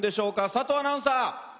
佐藤アナウンサー。